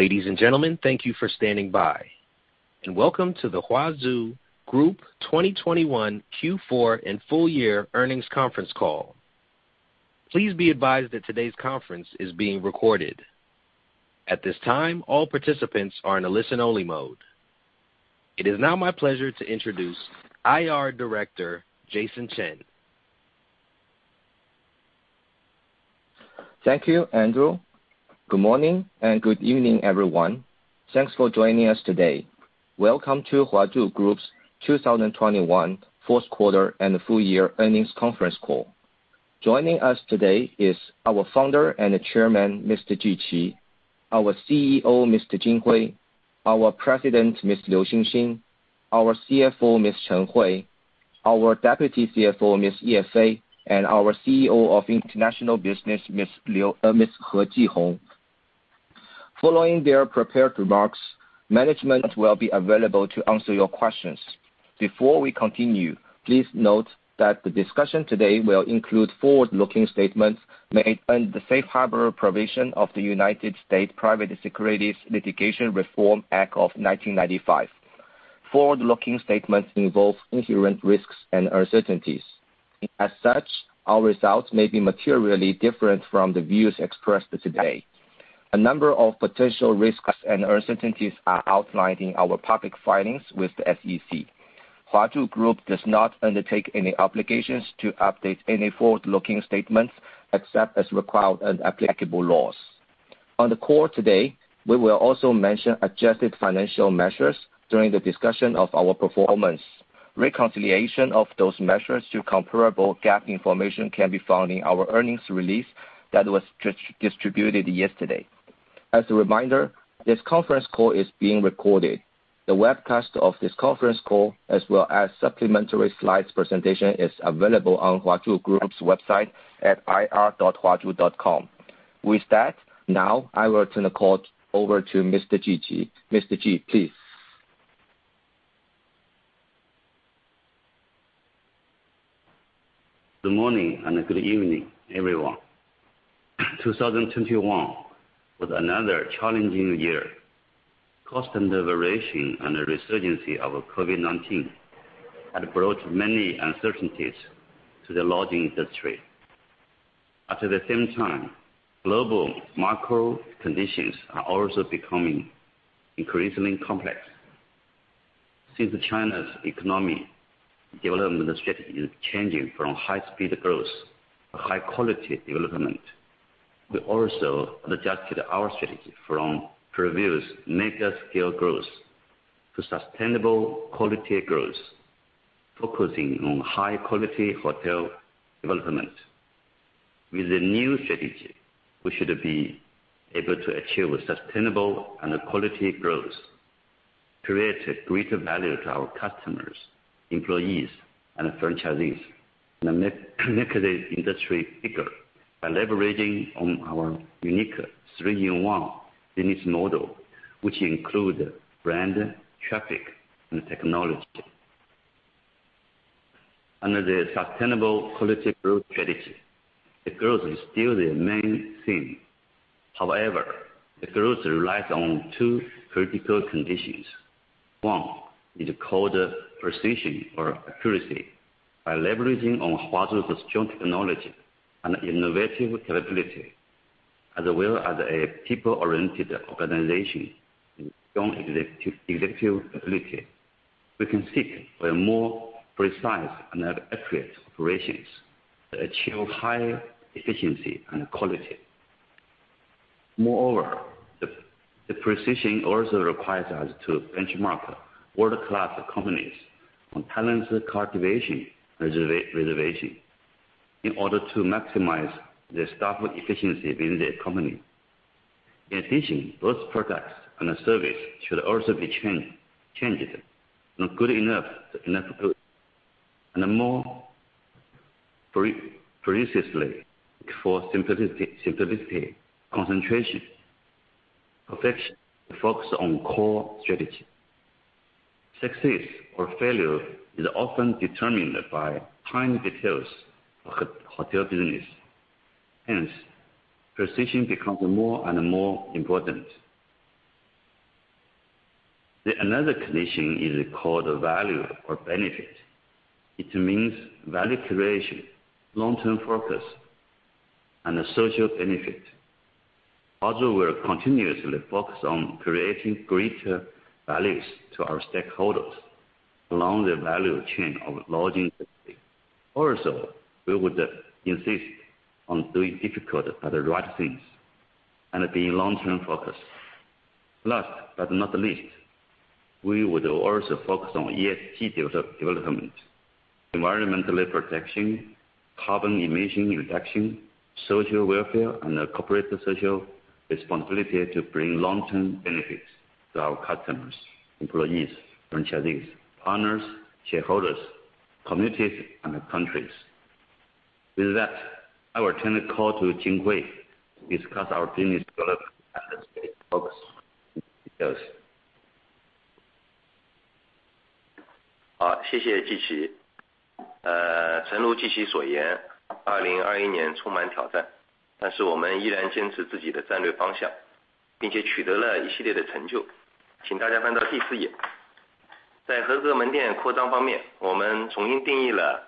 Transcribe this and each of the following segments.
Ladies and gentlemen, thank you for standing by, and welcome to the Huazhu Group 2021 Q4 and full year earnings conference call. Please be advised that today's conference is being recorded. At this time, all participants are in a listen-only mode. It is now my pleasure to introduce IR Director, Jason Chen. Thank you, Andrew. Good morning and good evening, everyone. Thanks for joining us today. Welcome to Huazhu Group's 2021 Q4 and full year earnings conference call. Joining us today is our founder and chairman, Mr. Ji Qi, our CEO, Mr. Hui Jin, our president, Ms. Liu Xinxin, our CFO, Ms. Chen Hui, our deputy CFO, Ms. Ye Fei, and our CEO of International Business, Ms. He Jihong. Following their prepared remarks, management will be available to answer your questions. Before we continue, please note that the discussion today will include forward-looking statements made under the safe harbor provision of the United States Private Securities Litigation Reform Act of 1995. Forward-looking statements involve inherent risks and uncertainties. As such, our results may be materially different from the views expressed today. A number of potential risks and uncertainties are outlined in our public filings with the SEC. H World Group does not undertake any obligations to update any forward-looking statements, except as required applicable laws. On the call today, we will also mention adjusted financial measures during the discussion of our performance. Reconciliation of those measures to comparable GAAP information can be found in our earnings release that was distributed yesterday. As a reminder, this conference call is being recorded. The webcast of this conference call, as well as supplementary slides presentation, is available on H World Group's website at ir.huazhu.com. With that, now I will turn the call over to Mr. Ji Qi. Mr. Ji, please. Good morning and good evening, everyone. 2021 was another challenging year. Constant variation and the resurgency of COVID-19 had brought many uncertainties to the lodging industry. At the same time, global macro conditions are also becoming increasingly complex. Since China's economic development strategy is changing from high speed growth to high quality development, we also adjusted our strategy from previous mega scale growth to sustainable quality growth, focusing on high quality hotel development. With the new strategy, we should be able to achieve a sustainable and a quality growth, create greater value to our customers, employees and franchisees, and make the industry bigger by leveraging on our unique three-in-one business model, which include brand, traffic, and technology. Under the sustainable quality growth strategy, the growth is still the main theme. However, the growth relies on two critical conditions. One is called precision or accuracy. By leveraging on Huazhu's strong technology and innovative capability, as well as a people-oriented organization and strong executive ability, we can seek for more precise and accurate operations that achieve high efficiency and quality. Moreover, precision also requires us to benchmark world-class companies on talent cultivation reservation in order to maximize the staff efficiency within the company. In addition, both products and service should also be changed. Not good enough is not good. More precisely for simplicity, concentration, perfection, and focus on core strategy. Success or failure is often determined by tiny details of hotel business. Hence, precision becomes more and more important. Another condition is called value or benefit. It means value creation, long-term focus, and a social benefit. Huazhu will continuously focus on creating greater values to our stakeholders along the value chain of lodging industry. Also, we would insist on doing difficult but the right things and be long-term focused. Last but not least, we would also focus on ESG development, environmental protection, carbon emission reduction, social welfare, and corporate social responsibility to bring long-term benefits to our customers, employees, franchisees, partners, shareholders, communities, and countries. With that, I will turn the call to Jinhui to discuss our business development and the focus. 谢谢季琦。诚如季琦所言，2021年充满挑战，但是我们依然坚持自己的战略方向，并且取得了一系列的成就。请大家翻到第四页。在合格门店扩张方面，我们重新定义了安心360以及合格门店的标准，酒店数量净增了1,041家，达到了7,830家，持续进入下沉市场。2021年新进城市约200个，成功地将DH的IntercityHotel和MAXX品牌引入中国。通过与融创合作成立合资公司，在2021年新开斯伯格酒店14家，花间堂品牌在休闲旅游市场进一步实现突破。在多渠道直销方面，我们会员数量在2021年达到了1.93亿，同比增长14%。我们推出了华住会3.0版本，将客户服务在线上、线下进行融合。我们的企业会员营业贡献在2021年四季度达到了11%。我们中央预订占比也在第四季度进一步提升到63%。在全球技术平台方面，我们持续推进全球技术平台在DH的应用。Thank you, Ji Qi.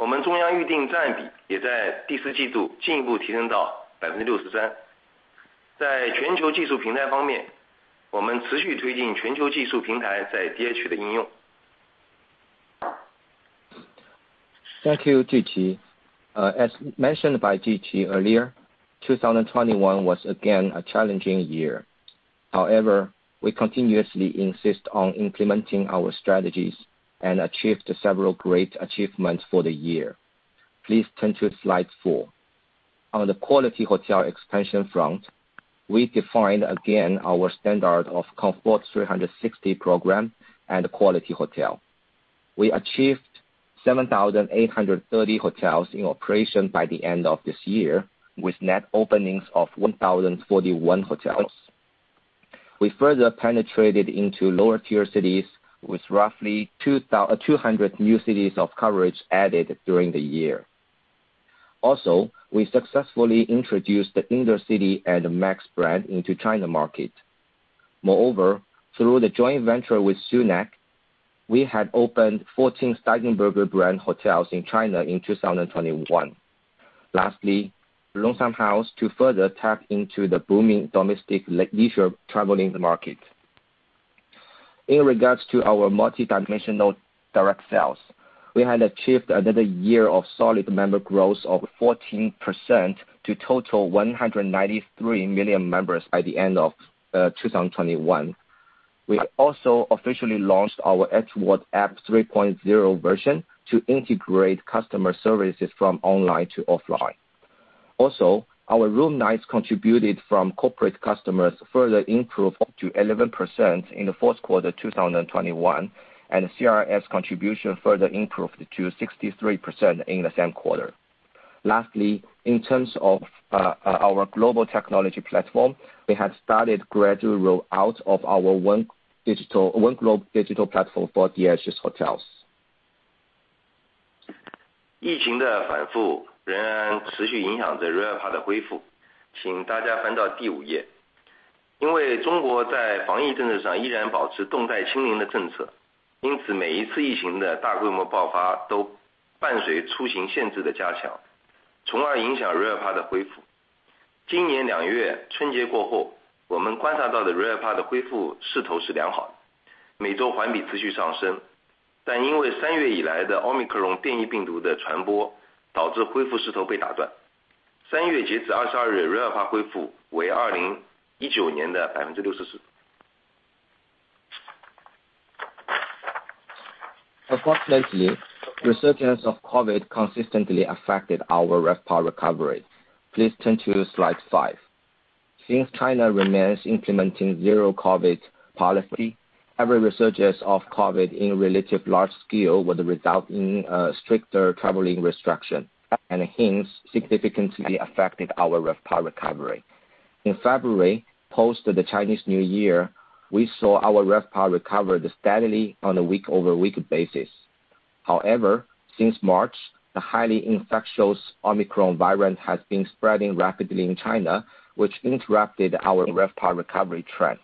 As mentioned by Ji Qi earlier, 2021 was again a challenging year. However, we continuously insist on implementing our strategies and achieved several great achievements for the year. Please turn to slide four. On the quality hotel expansion front, we defined again our standard of Anxin 360 program and quality hotel. We achieved 7,830 hotels in operation by the end of this year, with net openings of 1,041 hotels. We further penetrated into lower tier cities with roughly 200 new cities of coverage added during the year. We successfully introduced the IntercityHotel and MAXX brand into China market. Moreover, through the joint venture with Sunac, we had opened 14 Steigenberger brand hotels in China in 2021. Lastly, Blossom House to further tap into the booming domestic leisure traveling market. In regards to our multidimensional direct sales, we had achieved another year of solid member growth of 14% to total 193 million members by the end of 2021. We also officially launched our H World App 3.0 version to integrate customer services from online to offline. Our room nights contributed from corporate customers further improved to 11% in the Q4 2021, and CRS contribution further improved to 63% in the same quarter. Lastly, in terms of our global technology platform, we have started gradual roll out of our one global digital platform for DH's hotels. Unfortunately, resurgence of COVID consistently affected our RevPAR recovery. Please turn to slide 5. Since China remains implementing zero COVID policy, every resurgence of COVID in relatively large scale would result in stricter traveling restriction, and hence significantly affected our RevPAR recovery. In February, post the Chinese New Year, we saw our RevPAR recovered steadily on a week-over-week basis. However, since March, the highly infectious Omicron variant has been spreading rapidly in China, which interrupted our RevPAR recovery trend.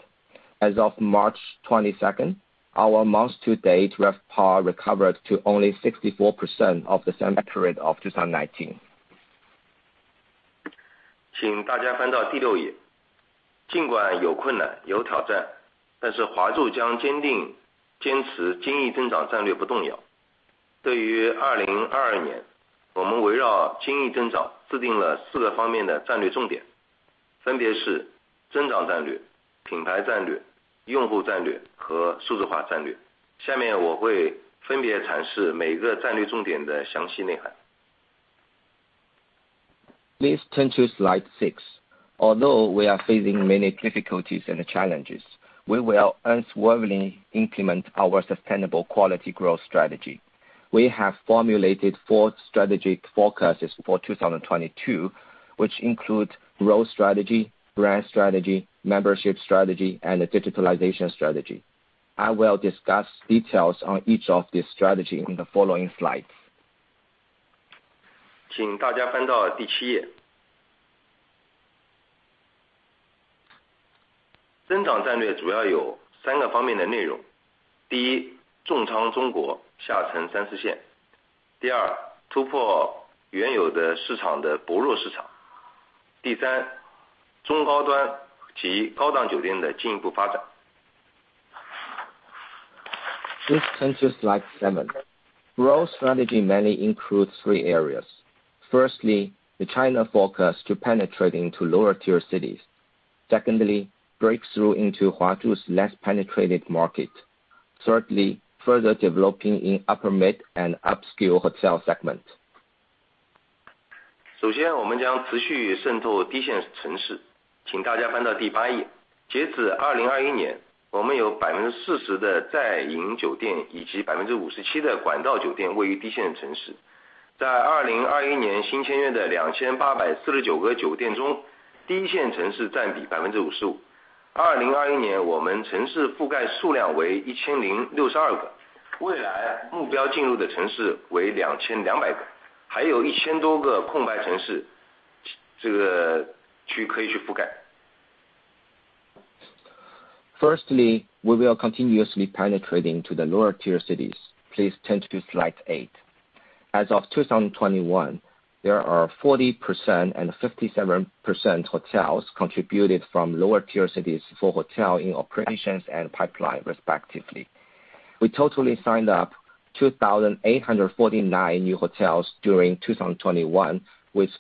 As of March 22nd, our month-to-date RevPAR recovered to only 64% of the same period of 2019. 请大家翻到第六页。尽管有困难，有挑战，但是华住将坚定坚持经营增长战略不动摇。对于2022年，我们围绕经营增长制定了四个方面的战略重点，分别是增长战略、品牌战略、用户战略和数字化战略。下面我会分别阐释每个战略重点的详细内涵。Please turn to slide 6. Although we are facing many difficulties and challenges, we will unswervingly implement our sustainable quality growth strategy. We have formulated 4 strategic focuses for 2022, which include growth strategy, brand strategy, membership strategy and digitalization strategy. I will discuss details on each of these strategy in the following slides. 请大家翻到第七页。增长战略主要有三个方面的内容。第一，重仓中国下沉三四线。第二，突破原有的市场的薄弱市场。第三，中高端及高档酒店的进一步发展。Please turn to slide seven. Growth strategy mainly includes three areas. Firstly, the China focus to penetrate into lower tier cities. Secondly, breakthrough into Huazhu's less penetrated market. Thirdly, further developing in upper mid and upscale hotel segment. Firstly, we will continuously penetrating to the lower tier cities. Please turn to slide 8. As of 2021, there are 40% and 57% hotels contributed from lower tier cities for hotel in operations and pipeline, respectively. We totally signed up 2,849 new hotels during 2021, with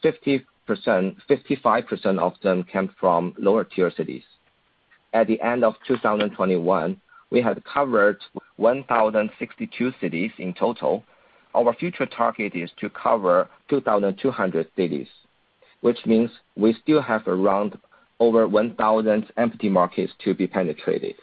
50%-55% of them came from lower tier cities. At the end of 2021, we had covered 1,062 cities in total. Our future target is to cover 2,200 cities, which means we still have around over 1,000 empty markets to be penetrated.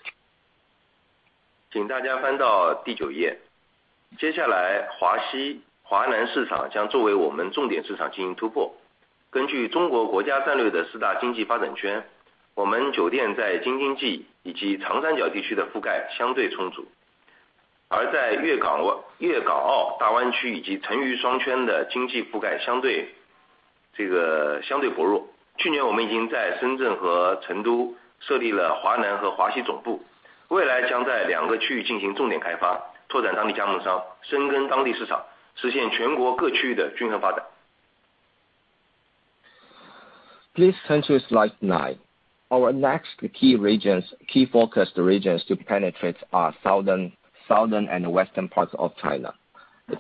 Please turn to slide 9. Our next key focus regions to penetrate are southern and western parts of China.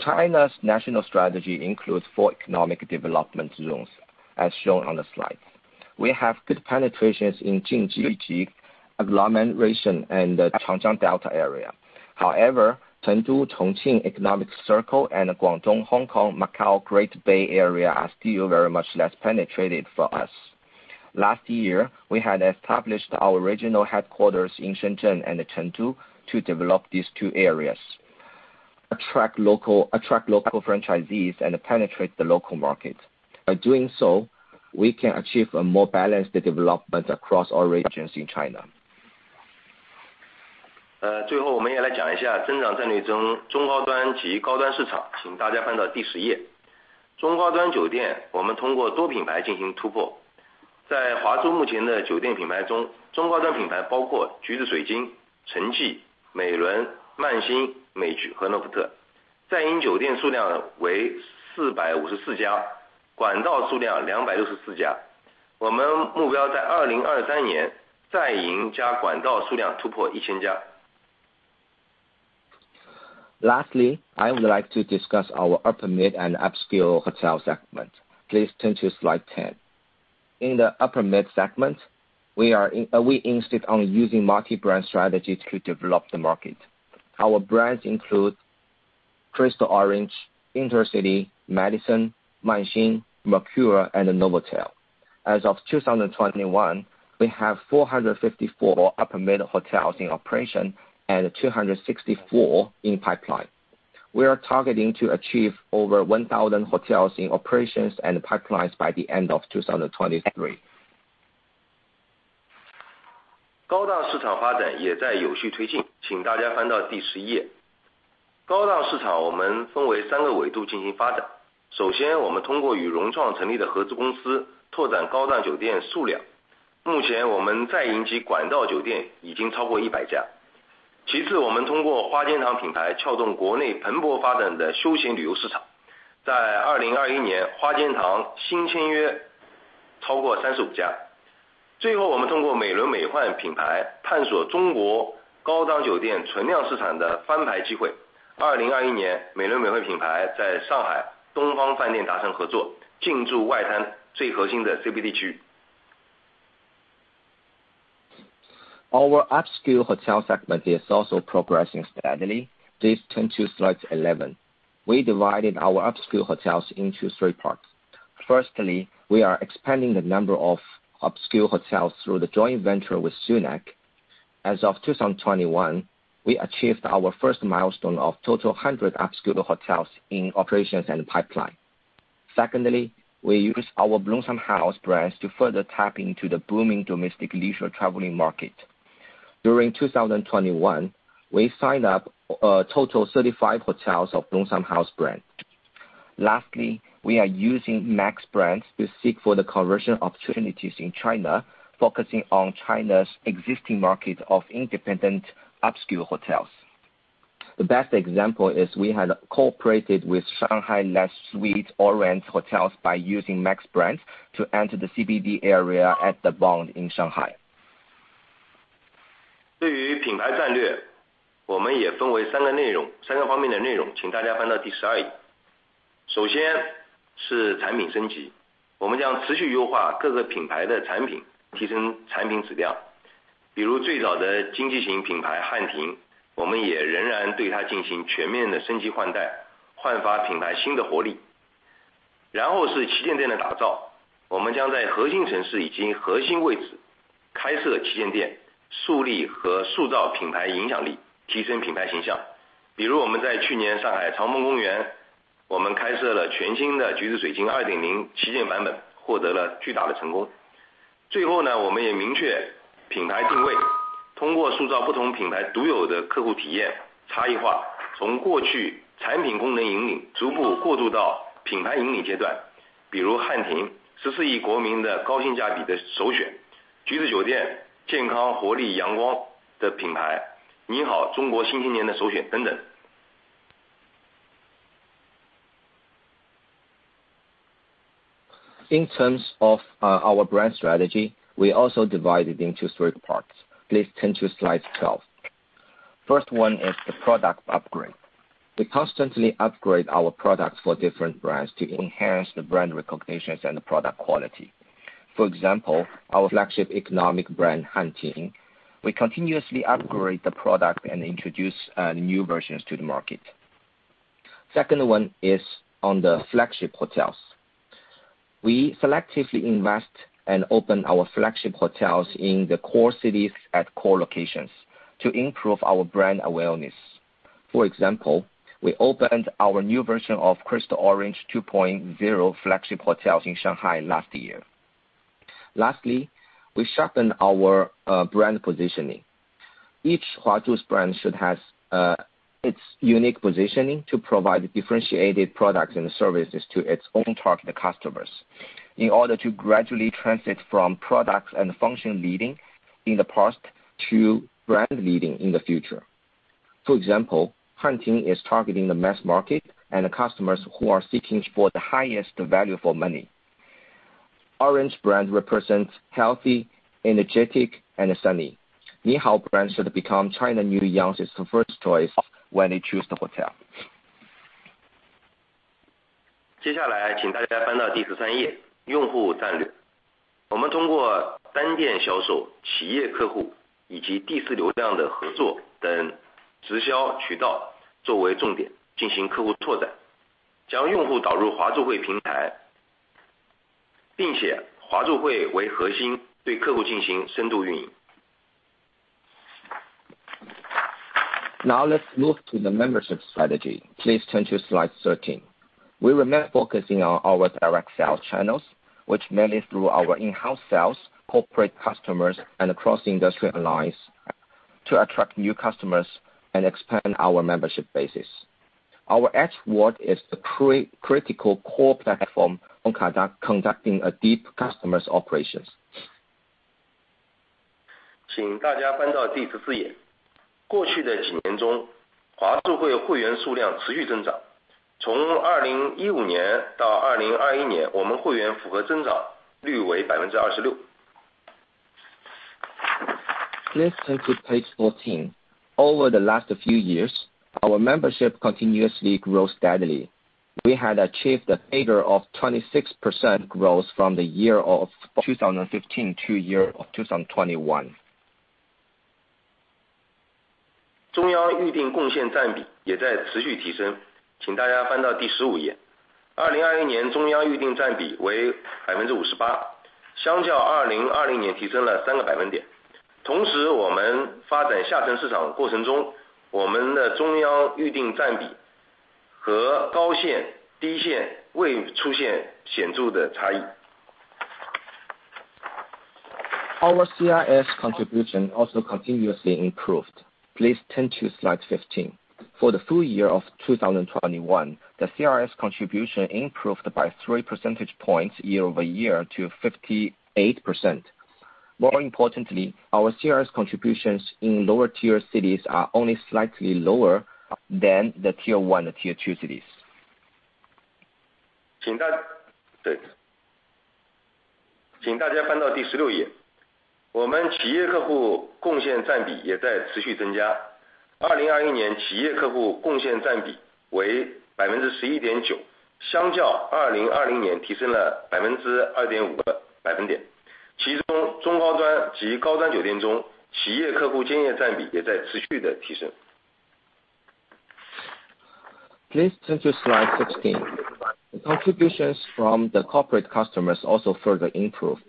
China's national strategy includes 4 economic development zones as shown on the slide. We have good penetration in Jing-Jin-Ji region agglomeration and the Yangtze River Delta area. However, Chengdu-Chongqing economic circle and Guangdong-Hong Kong-Macao Greater Bay Area are still very much less penetrated for us. Last year, we had established our regional headquarters in Shenzhen and Chengdu to develop these two areas, attract local franchisees and penetrate the local market. By doing so, we can achieve a more balanced development across all regions in China. Lastly, I would like to discuss our upper mid and upscale hotel segment. Please turn to slide ten. In the upper mid segment we insist on using multi-brand strategy to develop the market. Our brands include Crystal Orange, Intercity, Madison, Manxin, Mercure and Novotel. As of 2021, we have 454 upper mid hotels in operation and 264 in pipeline. We are targeting to achieve over 1,000 hotels in operations and pipelines by the end of 2023. Our upscale hotel segment is also progressing steadily. Please turn to slide 11. We divided our upscale hotels into three parts. Firstly, we are expanding the number of upscale hotels through the joint venture with Sunac. As of 2021, we achieved our first milestone of total 100 upscale hotels in operations and pipeline. Secondly, we use our Blossom House brands to further tap into the booming domestic leisure traveling market. During 2021, we signed up a total of 35 hotels of Blossom House brand. Lastly, we are using MAXX brands to seek for the conversion opportunities in China, focusing on China's existing market of independent obscure hotels. The best example is we had cooperated with Shanghai Nest Suites Orange Hotels by using MAXX brands to enter the CBD area at the Bund in Shanghai. In terms of our brand strategy, we also divide it into three parts. Please turn to slide 12. First one is the product upgrade. We constantly upgrade our products for different brands to enhance the brand recognitions and the product quality. For example, our flagship economic brand, HanTing. We continuously upgrade the product and introduce new versions to the market. Second one is on the flagship hotels. We selectively invest and open our flagship hotels in the core cities at core locations to improve our brand awareness. For example, we opened our new version of Crystal Orange 2.0 flagship hotels in Shanghai last year. Lastly, we sharpen our brand positioning. Each Huazhu's brand should have its unique positioning to provide differentiated products and services to its own target customers. In order to gradually transition from products and function leading in the past to brand leading in the future. For example, HanTing is targeting the mass market and the customers who are seeking for the highest value for money. Orange brand represents healthy, energetic and sunny. NiHao brand should become China new youngest first choice when they choose the hotel. 接下来请大家翻到第十三页，用户战略。我们通过单店销售、企业客户以及第三方流量的合作等直销渠道作为重点进行客户拓展，将用户导入华住汇平台，并且以华住汇为核心，对客户进行深度运营。Now let's move to the membership strategy. Please turn to slide 13. We remain focusing on our direct sales channels, which mainly through our in-house sales, corporate customers, and cross-industry allies to attract new customers and expand our membership bases. Our Huazhu Hui is the critical core platform on conducting deep customer operations. 请大家翻到第十四页。过去的几年中，华住汇会员数量持续增长，从2015年到2021年，我们会员复合增长率为26%。Please turn to page 14. Over the last few years, our membership continuously grows steadily. We had achieved a figure of 26% growth from the year of 2015 to year of 2021. 中央预订贡献占比也在持续提升。请大家翻到第十五页。2021年中央预订占比为58%，相较2020年提升了三个百分点。同时我们发展下沉市场过程中，我们的中央预订占比和高线、低线未出现显著的差异。Our CRS contribution also continuously improved. Please turn to slide 15. For the full year of 2021, the CRS contribution improved by three percentage points year-over-year to 58%. More importantly, our CRS contributions in lower tier cities are only slightly lower than the Tier 1 or Tier 2 cities. 请大家翻到第十六页。我们企业客户贡献占比也在持续增加，2021年企业客户贡献占比为11.9%，相较2020年提升了2.5个百分点。其中中高端及高端酒店中，企业客户经营占比也在持续地提升。Please turn to slide 16. The contributions from the corporate customers also further improved.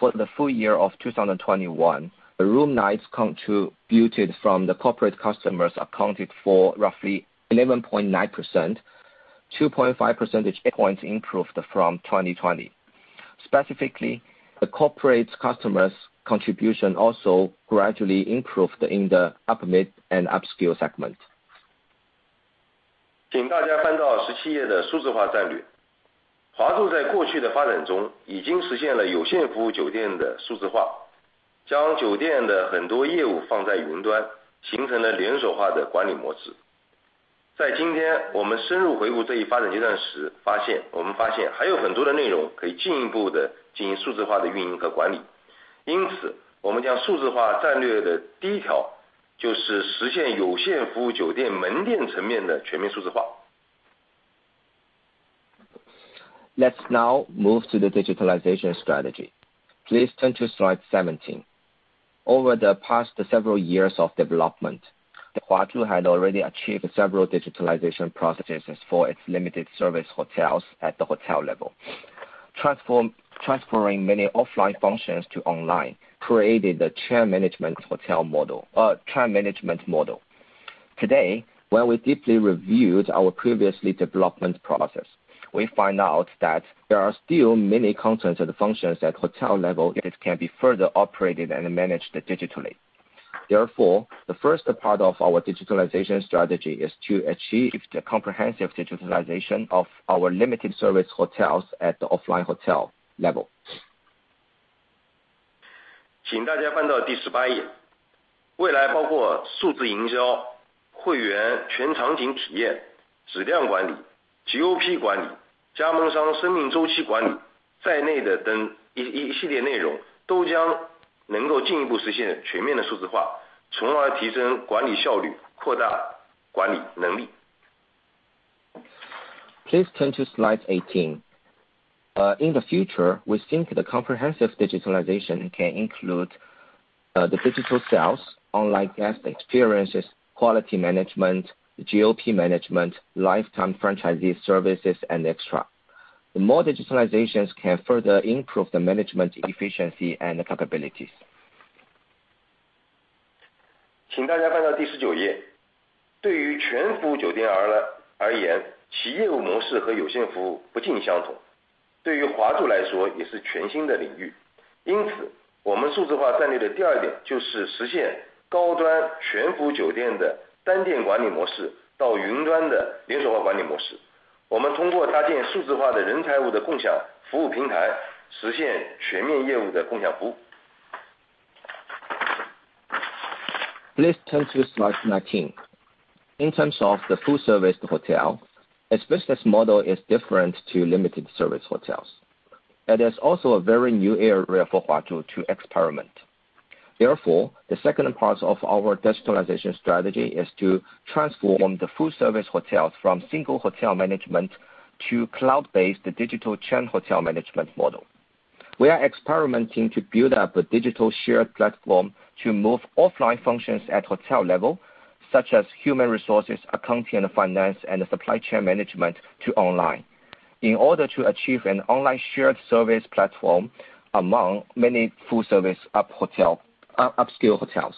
For the full year of 2021, the room nights contributed from the corporate customers accounted for roughly 11.9%, 2.5 percentage points improved from 2020. Specifically, the corporate customers' contribution also gradually improved in the mid and upscale segment. Let's now move to the digitalization strategy. Please turn to slide 17. Over the past several years of development, Huazhu had already achieved several digitalization processes for its limited service hotels at the hotel level. Transferring many offline functions to online created the chain management hotel model. Today, when we deeply reviewed our previous development process, we find out that there are still many contents of the functions at hotel level, it can be further operated and managed digitally. Therefore, the first part of our digitalization strategy is to achieve the comprehensive digitalization of our limited service hotels at the offline hotel level. 请大家翻到第十八页。未来包括数字营销、会员全场景体验、质量管理、GOP管理、加盟商生命周期管理在内的一系列内容，都将能够进一步实现全面的数字化，从而提升管理效率，扩大管理能力。Please turn to slide 18. In the future, we think the comprehensive digitalization can include the digital sales, online guest experiences, quality management, GOP management, lifetime franchisee services and extra. The more digitalizations can further improve the management efficiency and capabilities. 请大家翻到第十九页。对于全服务酒店而言，其业务模式和有限服务不尽相同，对于华住来说也是全新的领域。因此，我们数字化战略的第二点就是实现高端全服务酒店的单店管理模式到云端的连锁化管理模式。我们通过搭建数字化的人财物的共享服务平台，实现全面业务的共享服务。Please turn to slide 19. In terms of the full service hotel, its business model is different to limited service hotels. It is also a very new area for Huazhu to experiment. Therefore, the second part of our digitalization strategy is to transform the full service hotels from single hotel management to cloud-based digital chain hotel management model. We are experimenting to build up a digital shared platform to move offline functions at hotel level, such as human resources, accounting and finance, and supply chain management to online, in order to achieve an online shared service platform among many full service upscale hotels.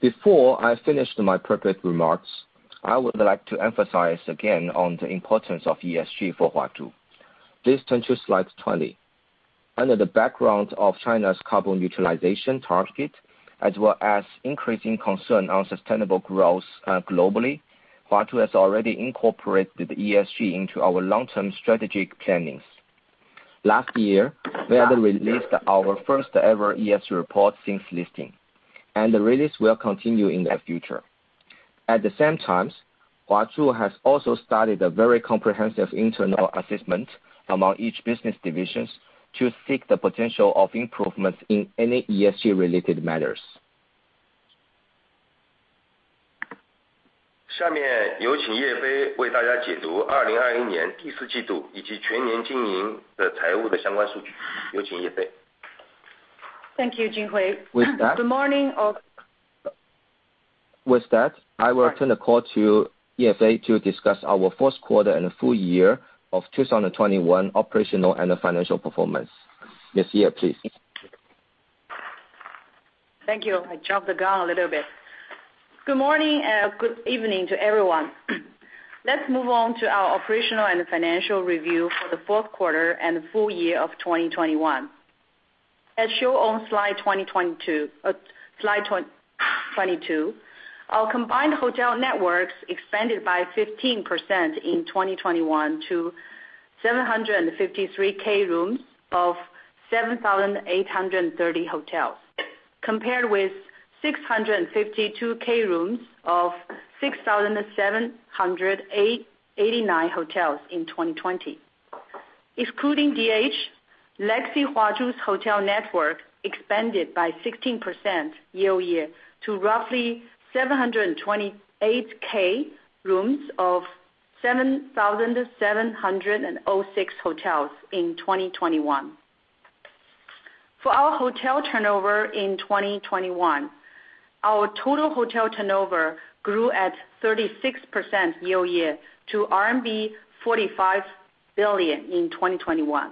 Before I finish my prepared remarks, I would like to emphasize again on the importance of ESG for Huazhu. Please turn to slide 20. Under the background of China's carbon utilization target, as well as increasing concern on sustainable growth, globally, Huazhu has already incorporated ESG into our long term strategic planning. Last year, we have released our first ever ESG report since listing, and the release will continue in the future. At the same time, Huazhu has also started a very comprehensive internal assessment among each business divisions to seek the potential of improvements in any ESG related matters. 下面有请叶菲为大家解读二零二一年第四季度以及全年经营的财务的相关数据。有请叶菲。Thank you, Hui Jin. With that. Good morning, all. With that, I will turn the call to Ye Fei to discuss our Q4 and full year of 2021 operational and financial performance. Miss Ye, please. Thank you. I jumped the gun a little bit. Good morning and good evening to everyone. Let's move on to our operational and financial review for the Q4 and full year of 2021. As shown on slide 22, our combined hotel networks expanded by 15% in 2021 to 753K rooms of 7,830 hotels. Compared with 652K rooms of 6,789 hotels in 2020. Excluding DH, Legacy Huazhu's hotel network expanded by 16% year-over-year to roughly 728K rooms of 7,706 hotels in 2021. For our hotel turnover in 2021, our total hotel turnover grew at 36% year-over-year to RMB 45 billion in 2021.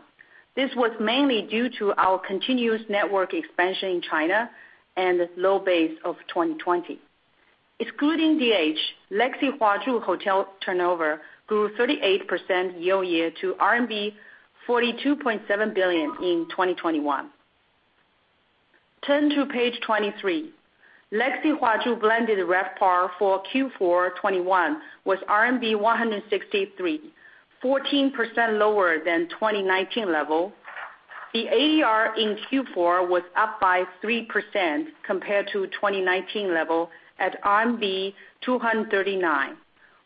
This was mainly due to our continuous network expansion in China and the low base of 2020. Excluding DH, Legacy Huazhu hotel turnover grew 38% year-over-year to RMB 42.7 billion in 2021. Turn to page 23. Legacy Huazhu blended RevPAR for Q4 2021 was RMB 163, 14% lower than 2019 level. The ADR in Q4 was up by 3% compared to 2019 level at RMB 239.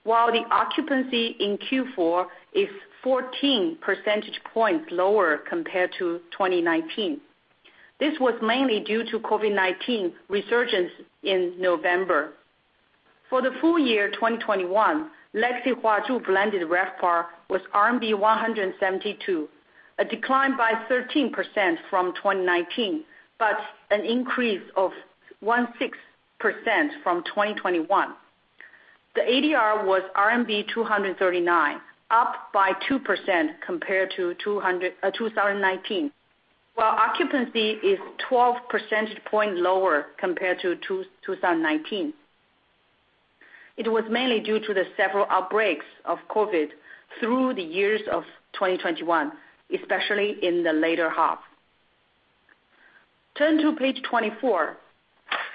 While the occupancy in Q4 is 14 percentage points lower compared to 2019. This was mainly due to COVID-19 resurgence in November. For the full year 2021, Legacy Huazhu blended RevPAR was RMB 172, a decline by 13% from 2019, but an increase of 16% from 2020. The ADR was RMB 239, up 2% compared to 2019. While occupancy is 12 percentage point lower compared to 2019. It was mainly due to the several outbreaks of COVID through the years of 2021, especially in the later half. Turn to page 24.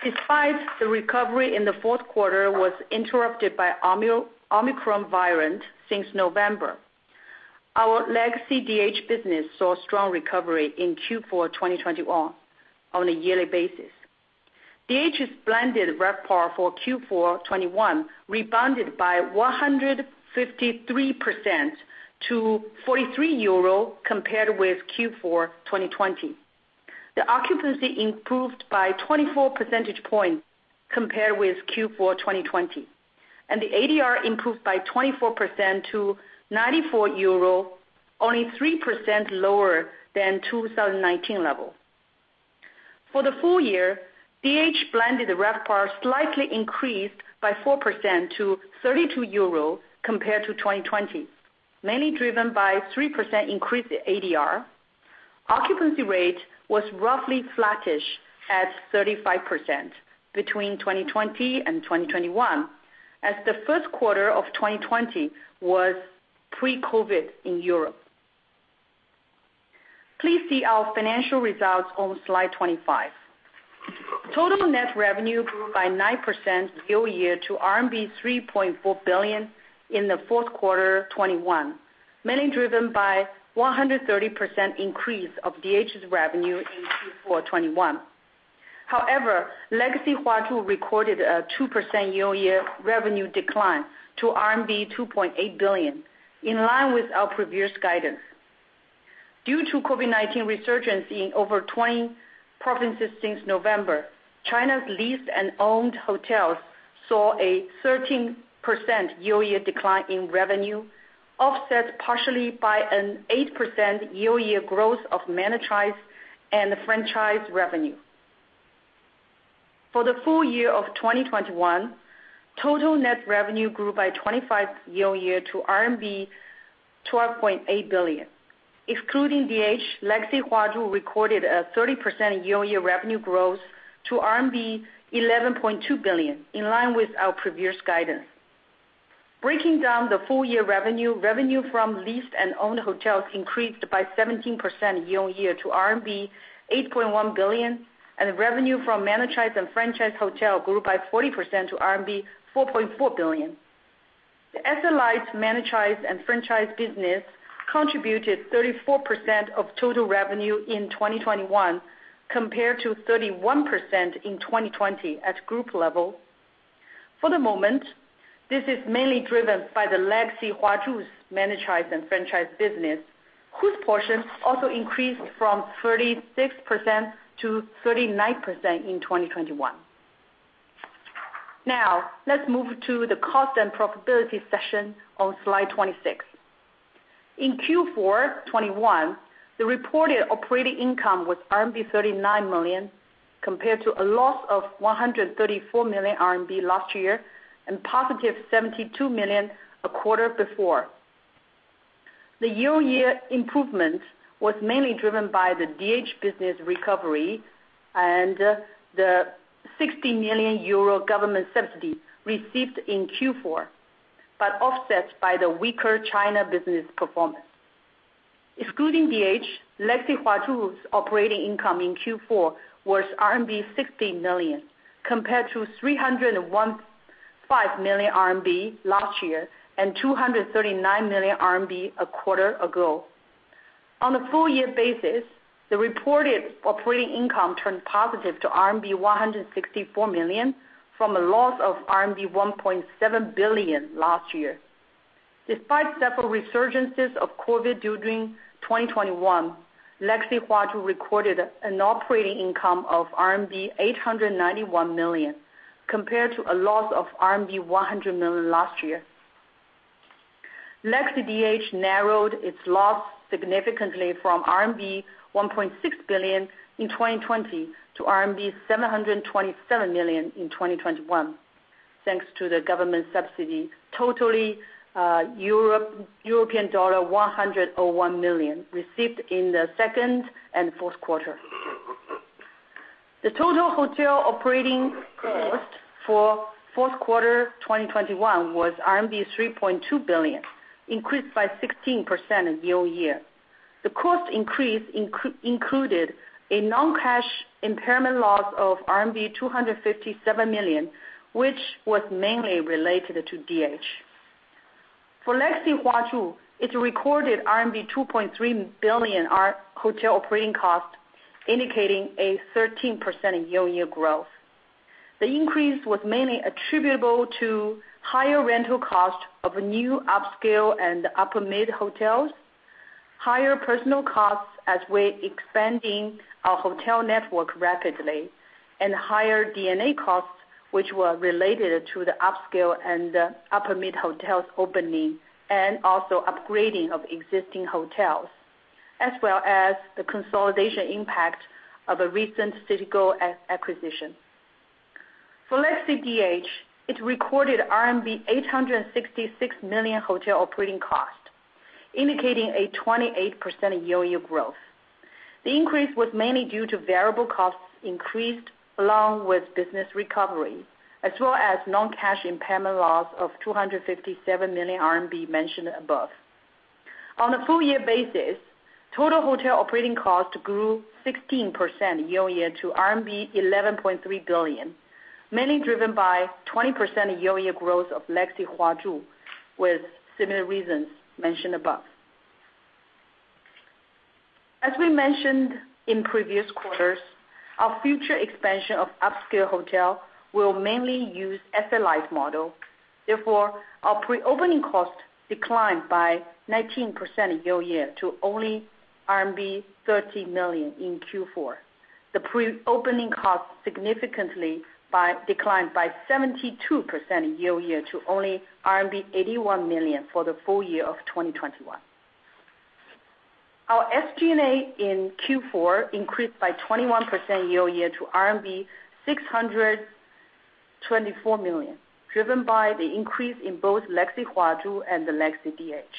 Despite the recovery in the Q4 was interrupted by Omicron variant since November, our Legacy DH business saw strong recovery in Q4 2021 on a yearly basis. DH's blended RevPAR for Q4 2021 rebounded by 153% to 43 euro compared with Q4 2020. The occupancy improved by 24 percentage points compared with Q4 2020, and the ADR improved by 24% to 94 euro, only 3% lower than 2019 level. For the full year, DH blended RevPAR slightly increased by 4% to 32 euro compared to 2020, mainly driven by 3% increased ADR. Occupancy rate was roughly flattish at 35% between 2020 and 2021, as the Q11 of 2020 was pre-COVID in Europe. Please see our financial results on slide 25. Total net revenue grew by 9% year-over-year to RMB 3.4 billion in the Q4 2021, mainly driven by 130% increase of DH's revenue in Q4 2021. However, Legacy Huazhu recorded a 2% year-over-year revenue decline to RMB 2.8 billion, in line with our previous guidance. Due to COVID-19 resurgence in over 20 provinces since November, China's leased and owned hotels saw a 13% year-over-year decline in revenue, offset partially by an 8% year-over-year growth of managed and franchised revenue. For the full year of 2021, total net revenue grew by 25% year-over-year to RMB 12.8 billion. Excluding DH, Legacy Huazhu recorded a 30% year-over-year revenue growth to RMB 11.2 billion, in line with our previous guidance. Breaking down the full year revenue from leased and owned hotels increased by 17% year-over-year to RMB 8.1 billion, and revenue from managed and franchised hotels grew by 40% to RMB 4.4 billion. The asset-light managed and franchised business contributed 34% of total revenue in 2021, compared to 31% in 2020 at group level. For the moment, this is mainly driven by the Legacy Huazhu's managed and franchised business, whose portion also increased from 36% to 39% in 2021. Now, let's move to the cost and profitability section on slide 26. In Q4 2021, the reported operating income was RMB 39 million, compared to a loss of 134 million RMB last year and positive 72 million a quarter before. The year-over-year improvement was mainly driven by the DH business recovery and the 60 million euro government subsidy received in Q4, but offset by the weaker China business performance. Excluding DH, Legacy Huazhu's operating income in Q4 was RMB 60 million, compared to 315 million RMB last year and 239 million RMB a quarter ago. On a full year basis, the reported operating income turned positive to RMB 164 million from a loss of RMB 1.7 billion last year. Despite several resurgences of COVID during 2021, Legacy Huazhu recorded an operating income of RMB 891 million compared to a loss of RMB 100 million last year. Legacy DH narrowed its loss significantly from RMB 1.6 billion in 2020 to RMB 727 million in 2021, thanks to the government subsidy totaling EUR 101 million received in the second and Q4. The total hotel operating cost for Q4 2021 was RMB 3.2 billion, increased by 16% year-on-year. The cost increase included a non-cash impairment loss of RMB 257 million, which was mainly related to DH. For Legacy Huazhu, it recorded RMB 2.3 billion in hotel operating cost, indicating a 13% year-on-year growth. The increase was mainly attributable to higher rental costs of new upscale and upper mid hotels, higher personal costs as we're expanding our hotel network rapidly, and higher D&A costs which were related to the upscale and upper mid hotels opening, and also upgrading of existing hotels, as well as the consolidation impact of a recent CitiGO acquisition. For Legacy DH, it recorded RMB 866 million hotel operating cost, indicating a 28% year-on-year growth. The increase was mainly due to variable costs increased along with business recovery, as well as non-cash impairment loss of 257 million RMB mentioned above. On a full year basis, total hotel operating cost grew 16% year-over-year to RMB 11.3 billion, mainly driven by 20% year-over-year growth of Legacy Huazhu, with similar reasons mentioned above. As we mentioned in previous quarters, our future expansion of upscale hotel will mainly use asset-light model. Therefore, our pre-opening costs declined by 19% year-over-year to only RMB 30 million in Q4. The pre-opening costs declined by 72% year-over-year to only RMB 81 million for the full year of 2021. Our SG&A in Q4 increased by 21% year-over-year to RMB 624 million, driven by the increase in both Legacy Huazhu and the Legacy DH.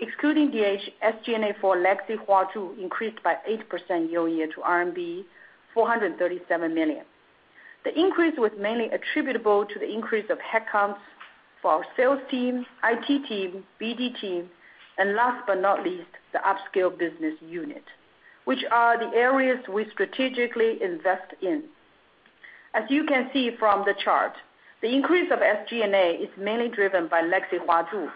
Excluding DH, SG&A for Legacy Huazhu increased by 8% year-on-year to RMB 437 million. The increase was mainly attributable to the increase of headcounts for our sales team, IT team, BD team, and last but not least, the upscale business unit, which are the areas we strategically invest in. As you can see from the chart, the increase of SG&A is mainly driven by Legacy Huazhu,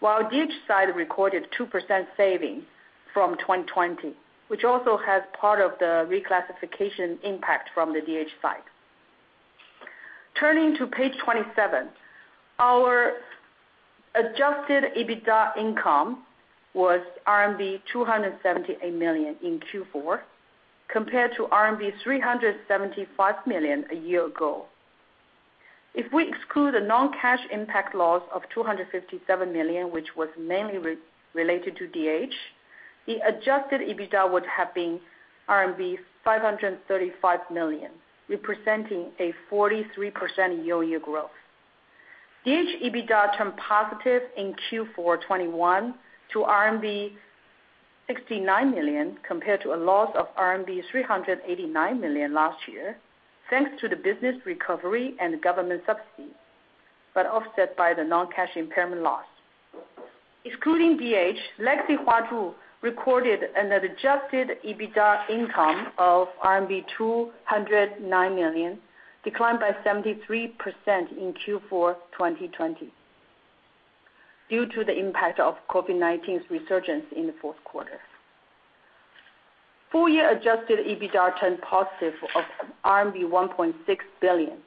while DH side recorded 2% saving from 2020, which also has part of the reclassification impact from the DH side. Turning to page 27, our adjusted EBITDA income was RMB 278 million in Q4, compared to RMB 375 million a year ago. If we exclude a non-cash impact loss of 257 million, which was mainly related to DH, the adjusted EBITDA would have been RMB 535 million, representing a 43% year-on-year growth. DH EBITDA turned positive in Q4 2021 to RMB 69 million, compared to a loss of RMB 389 million last year, thanks to the business recovery and government subsidy, but offset by the non-cash impairment loss. Excluding DH, Legacy Huazhu recorded an adjusted EBITDA income of RMB 209 million, declined by 73% in Q4 2020 due to the impact of COVID-19's resurgence in the Q4. Full-year adjusted EBITDA turned positive of RMB 1.6 billion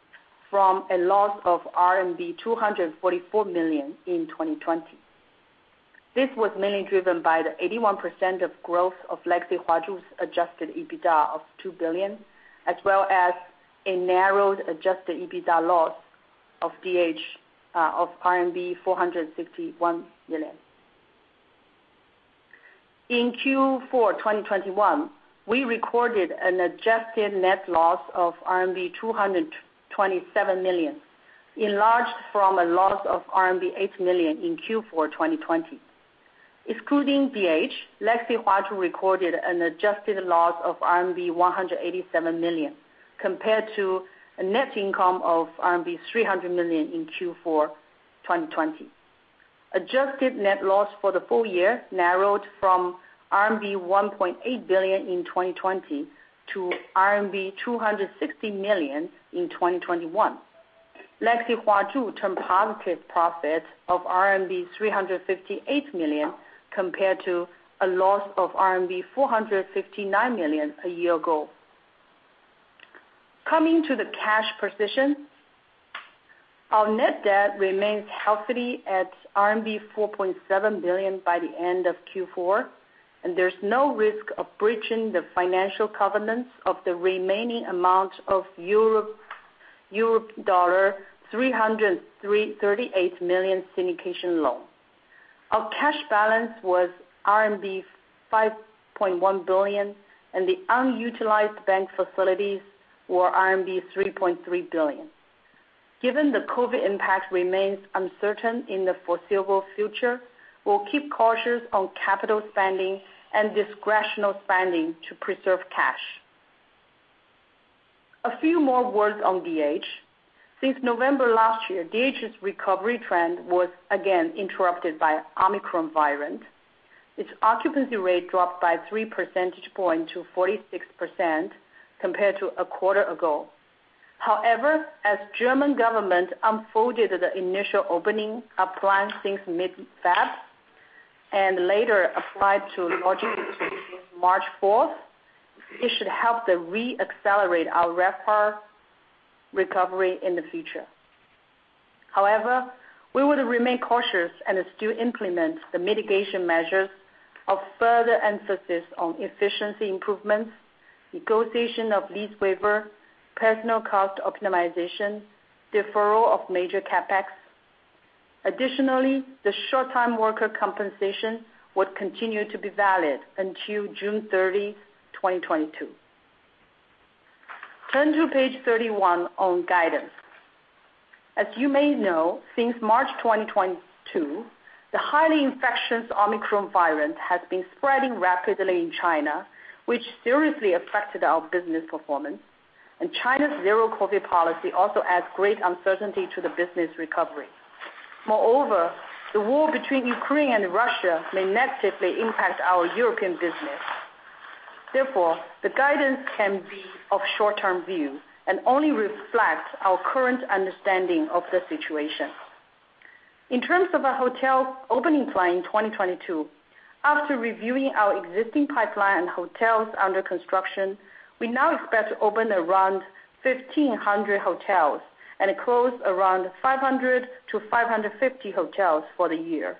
from a loss of RMB 244 million in 2020. This was mainly driven by the 81% growth of Legacy Huazhu's adjusted EBITDA of 2 billion, as well as a narrowed adjusted EBITDA loss of DH of RMB 461 million. In Q4 2021, we recorded an adjusted net loss of RMB 227 million, enlarged from a loss of RMB 8 million in Q4 2020. Excluding DH, Legacy Huazhu recorded an adjusted loss of RMB 187 million, compared to a net income of RMB 300 million in Q4 2020. Adjusted net loss for the full year narrowed from RMB 1.8 billion in 2020 to RMB 260 million in 2021. Legacy Huazhu turned positive profits of RMB 358 million compared to a loss of RMB 459 million a year ago. Coming to the cash position. Our net debt remains healthy at RMB 4.7 billion by the end of Q4, and there's no risk of breaching the financial covenants of the remaining amount of $338 million syndication loan. Our cash balance was RMB 5.1 billion and the unutilized bank facilities were RMB 3.3 billion. Given the COVID impact remains uncertain in the foreseeable future, we'll keep cautious on capital spending and discretionary spending to preserve cash. A few more words on DH. Since November last year, DH's recovery trend was again interrupted by Omicron variant. Its occupancy rate dropped by three percentage points to 46% compared to a quarter ago. However, as German government unfolded the initial opening applying since mid-February, and later applied to lodging since March 4th, it should help to re-accelerate our RevPAR recovery in the future. However, we would remain cautious and still implement the mitigation measures of further emphasis on efficiency improvements, negotiation of lease waiver, personal cost optimization, deferral of major CapEx. Additionally, the short-time worker compensation would continue to be valid until June 30th, 2022. Turn to page 31 on guidance. As you may know, since March 2022, the highly infectious Omicron variant has been spreading rapidly in China, which seriously affected our business performance. China's zero-COVID policy also adds great uncertainty to the business recovery. Moreover, the war between Ukraine and Russia may negatively impact our European business. Therefore, the guidance can be of short-term view and only reflects our current understanding of the situation. In terms of our hotel opening plan in 2022, after reviewing our existing pipeline hotels under construction, we now expect to open around 1,500 hotels and close around 500-550 hotels for the year.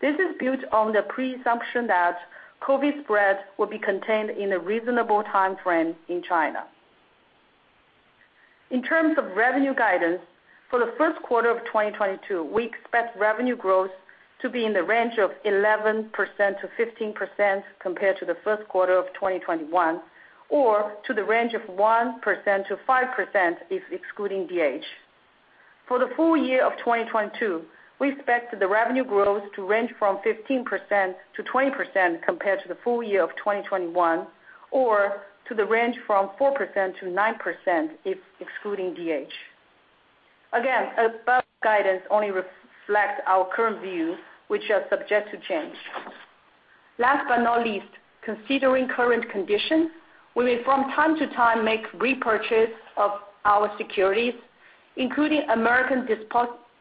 This is built on the presumption that COVID spread will be contained in a reasonable timeframe in China. In terms of revenue guidance, for the Q1 of 2022, we expect revenue growth to be in the range of 11%-15% compared to the Q1 of 2021, or to the range of 1%-5% if excluding DH. For the full year of 2022, we expect the revenue growth to range from 15%-20% compared to the full year of 2021, or to the range from 4%-9% if excluding DH. Again, above guidance only reflects our current view, which are subject to change. Last but not least, considering current conditions, we may from time to time make repurchase of our securities, including American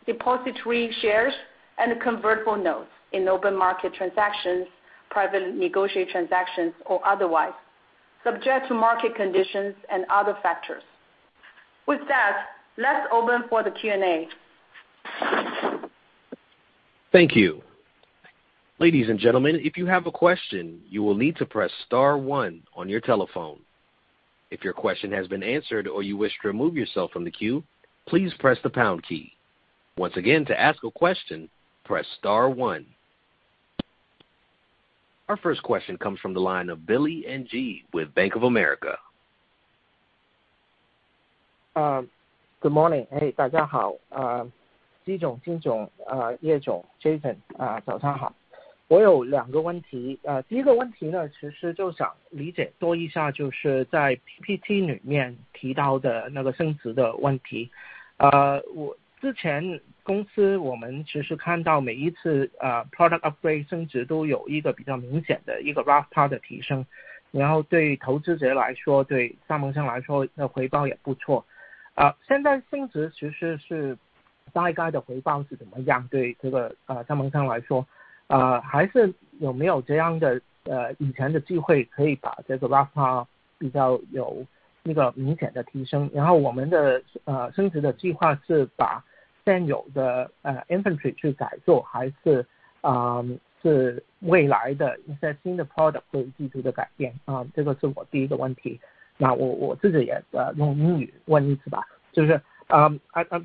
Depositary Shares and convertible notes in open market transactions, private negotiated transactions, or otherwise, subject to market conditions and other factors. With that, let's open for the Q&A. Thank you. Ladies and gentlemen, if you have a question, you will need to press star one on your telephone. If your question has been answered or you wish to remove yourself from the queue, please press the pound key. Once again, to ask a question, press star one. Our first question comes from the line of Billy Ng with Bank of America. Good morning. Hey, I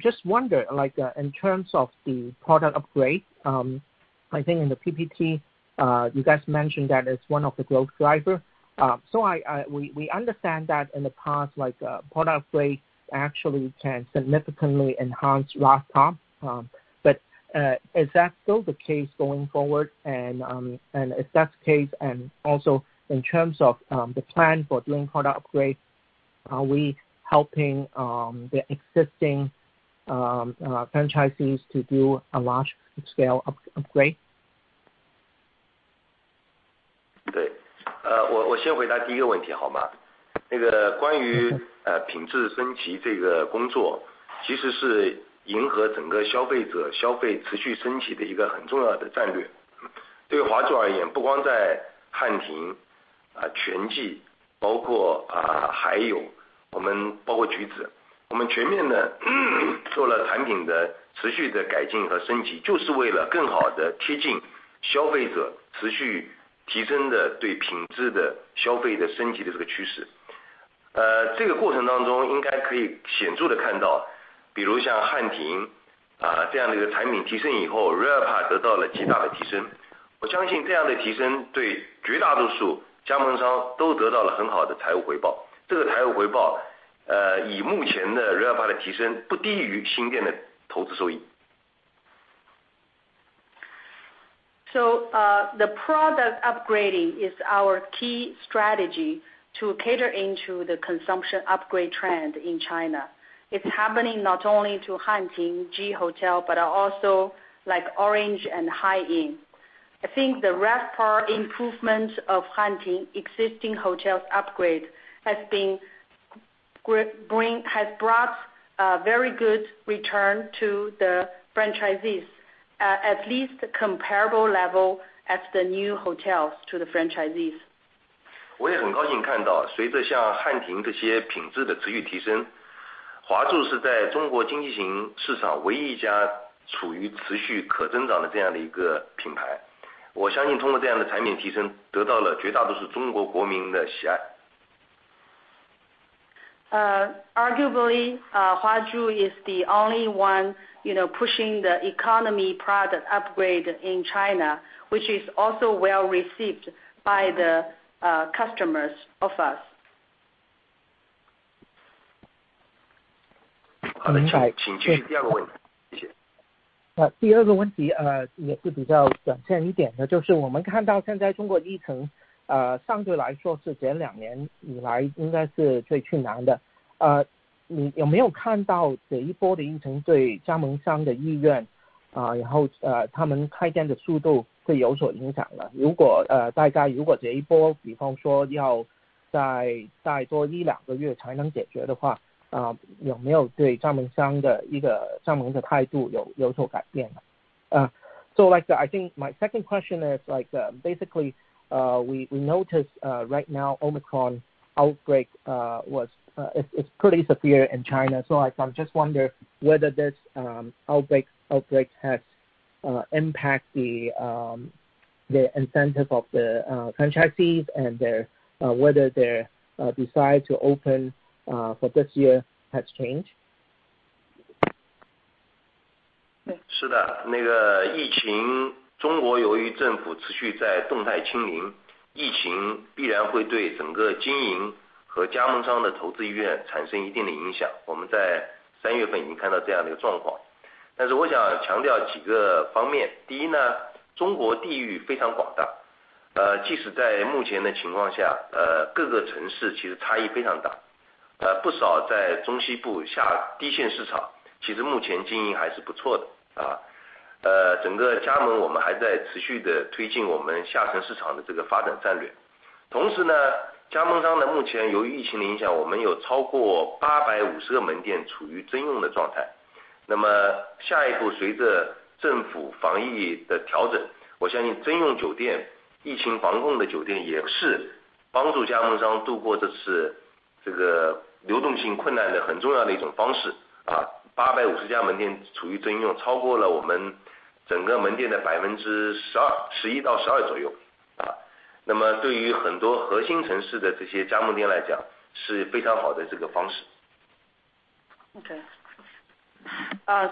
just wonder, like, in terms of the product upgrade. I think in the PPT, you guys mentioned that it's one of the growth driver. We understand that in the past, like, product upgrade actually can significantly enhance RevPAR. But is that still the case going forward? If that's the case, and also in terms of the plan for doing product upgrades, are we helping the existing franchisees to do a large-scale upgrade? The product upgrading is our key strategy to cater into the consumption upgrade trend in China. It's happening not only to HanTing, but also like Orange Hotel and Hi Inn Hotel. I think the RevPAR improvement of HanTing existing hotels upgrade has brought very good return to the franchisees, at least comparable level as the new hotels to the franchisees. 我也很高兴看到，随着像汉庭这些品质的持续提升，华住是在中国经济型市场唯一一家处于持续可增长的这样的一个品牌，我相信通过这样的产品提升，得到了绝大多数中国国民的喜爱。Arguably, Huazhu is the only one you know pushing the economy product upgrade in China, which is also well received by the customers of us. 请继续第二个问题，谢谢。第二个问题，也是比较短线一点的，就是我们看到现在中国疫情，相对来说是这两年以来应该是最困难的。你有没有看到这一波的疫情对加盟商的意愿，然后他们开店的速度会有所影响呢？如果大概这一波比方说要再多一两个月才能解决的话，有没有对加盟商的一个加盟的态度有所改变？So my second question is, basically, we notice right now the Omicron outbreak was pretty severe in China. I just wonder whether this outbreak has impact the incentive of the franchisees and whether their desire to open for this year has changed. Okay.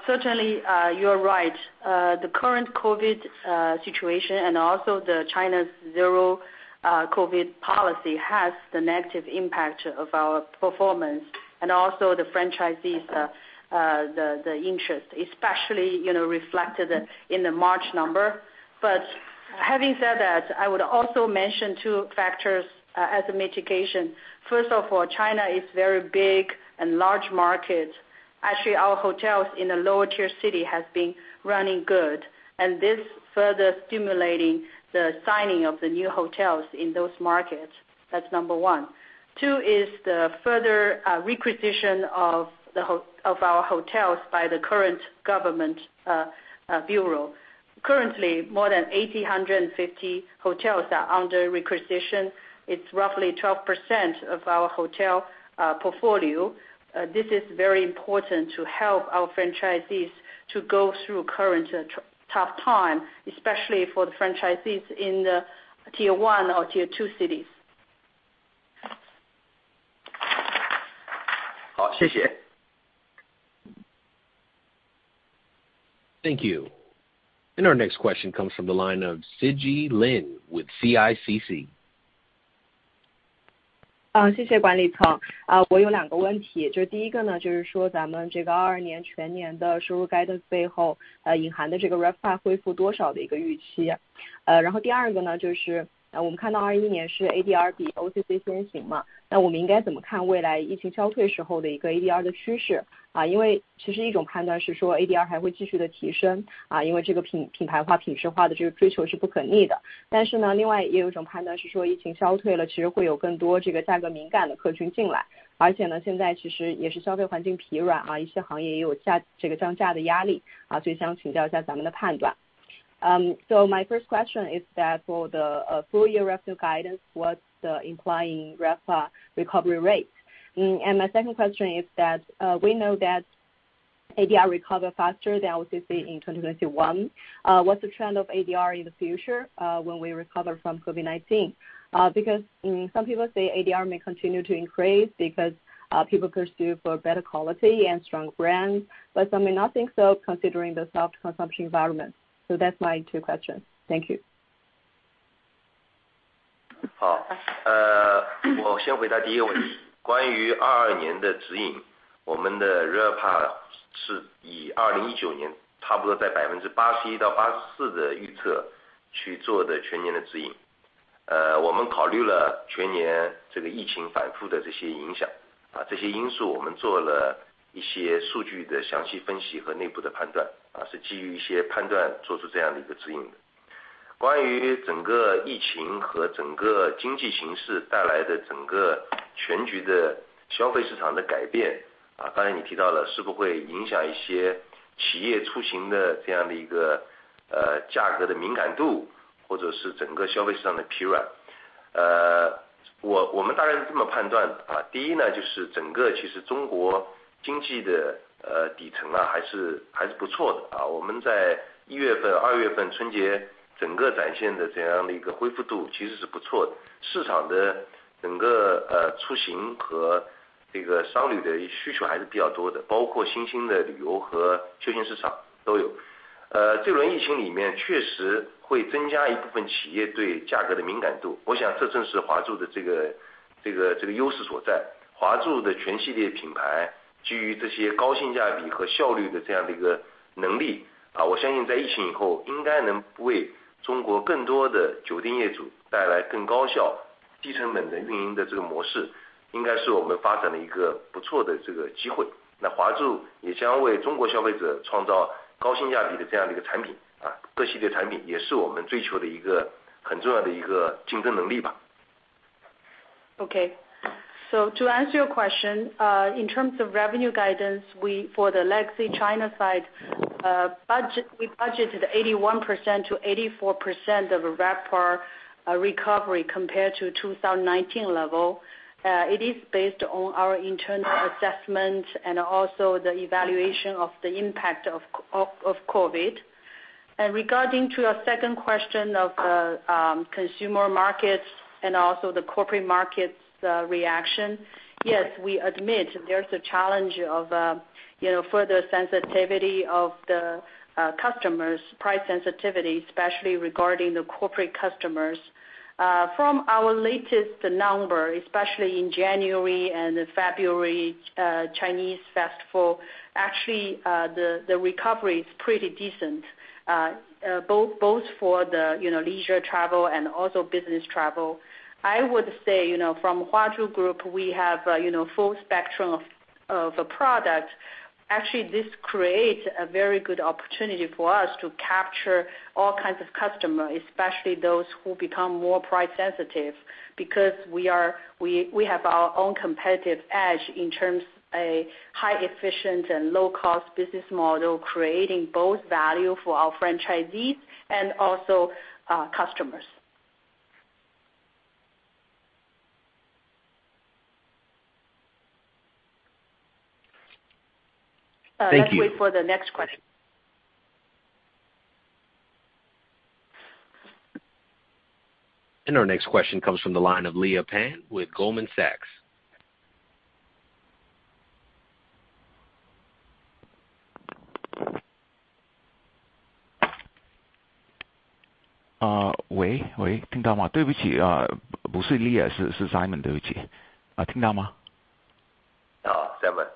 Certainly, you're right. The current COVID-19 situation and also China's zero-COVID policy has the negative impact on our performance and also the franchisees' interest, especially, you know, reflected in the March number. Having said that, I would also mention two factors as a mitigation. First of all, China is very big and large market. Actually our hotels in the lower tier city has been running good, and this further stimulating the signing of the new hotels in those markets. That's number one. Two is the further requisition of our hotels by the current government bureau. Currently, more than 850 hotels are under requisition. It's roughly 12% of our hotel portfolio. This is very important to help our franchisees to go through current tough time, especially for the franchisees in the Tier 1 or Tier 2 cities. 好，谢谢。Thank you. Our next question comes from the line of Sijie Lin with CICC. 谢谢管理层。我有两个问题，第一个呢，就是说咱们这个22年全年的收入guide背后隐含的这个RevPAR恢复多少的一个预期。然后第二个呢，就是我们看到2021年是ADR比OCC先行嘛，那我们应该怎么看未来疫情消退时候的一个ADR的趋势？因为其实一种判断是说ADR还会继续的提升，因为这个品牌化、品质化的这个追求是不可逆的。但是呢，另外也有一种判断是说疫情消退了，其实会有更多这个价格敏感的客群进来，而且呢，现在其实也是消费环境疲软，一些行业也有这个降价的压力。所以想请教一下咱们的判断。For the full year revenue guidance, what's the implying RevPAR recovery rate? My second question is that we know that ADR recover faster than OCC in 2021. What's the trend of ADR in the future when we recover from COVID-19? Because some people say ADR may continue to increase because people pursue for better quality and strong brands, but some may not think so considering the soft consumption environment. That's my two questions. Thank you. Okay, to answer your question, in terms of revenue guidance, we budgeted for the Legacy Huazhu side 81%-84% RevPAR recovery compared to 2019 level. It is based on our internal assessment and also the evaluation of the impact of COVID. Regarding your second question of the consumer markets and also the corporate markets reaction, yes, we admit there's a challenge of, you know, further sensitivity of the customers, price sensitivity, especially regarding the corporate customers. From our latest number, especially in January and February, Chinese festival, actually, the recovery is pretty decent, both for the, you know, leisure travel and also business travel. I would say, you know, from Huazhu Group, we have, you know, full spectrum of a product. Actually, this creates a very good opportunity for us to capture all kinds of customers, especially those who become more price sensitive, because we have our own competitive edge in terms of a highly efficient and low cost business model, creating both value for our franchisees and also customers. Thank you. Let's wait for the next question. Our next question comes from the line of Leah Pan with Goldman Sachs. 喂，听到吗？对不起，不是Leah，是Simon，对不起。听到吗？ Simon.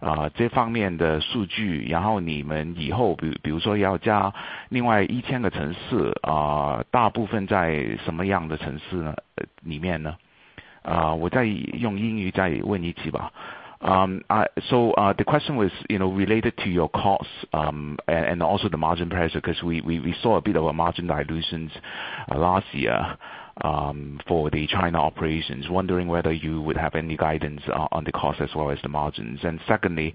So, the question was related to your costs and also the margin pressure, because we saw a bit of a margin dilution last year for the China operations. wondering whether you would have any guidance on the cost as well as the margins. Secondly,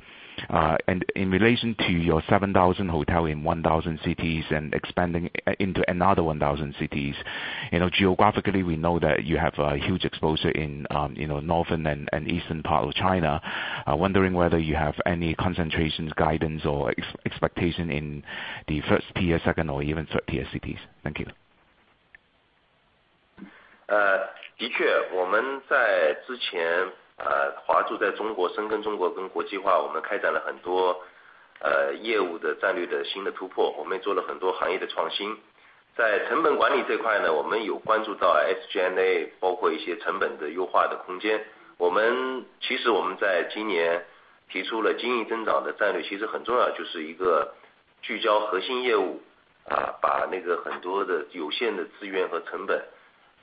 in relation to your 7,000 hotels in 1,000 cities and expanding into another 1,000 cities, you know, geographically, we know that you have a huge exposure in, you know, northern and eastern part of China. I'm wondering whether you have any concentrations, guidance or expectation in the first tier, second or even third tier cities. Thank you.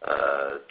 Uh,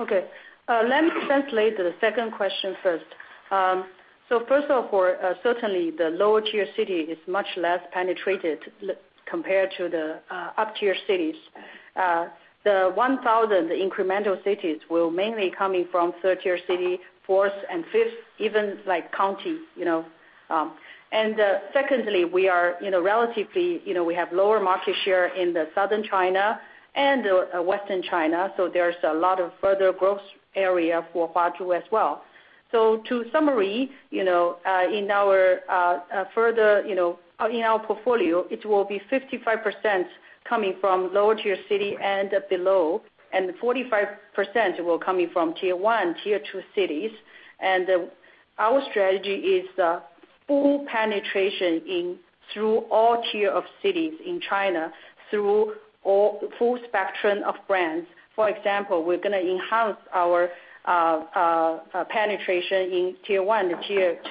Okay. Let me translate the second question first. First of all, certainly the lower tier city is much less penetrated compared to the up tier cities. The 1,000 incremental cities will mainly coming from third tier city, fourth and fifth even like county, you know. Secondly, we are relatively, you know, we have lower market share in the Southern China and Western China, so there's a lot of further growth area for Huazhu as well. To summary, you know, in our further, you know, in our portfolio, it will be 55% coming from lower tier city and below, and 45% will coming from tier one, tier two cities. Our strategy is full penetration into all tiers of cities in China through the full spectrum of brands. For example, we're going to enhance our penetration in tier one to tier two